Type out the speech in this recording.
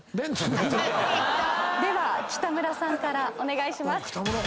では北村さんからお願いします。